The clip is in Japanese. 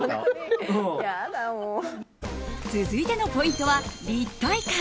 続いてのポイントは立体感。